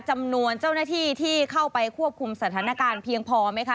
จำนวนเจ้าหน้าที่ที่เข้าไปควบคุมสถานการณ์เพียงพอไหมคะ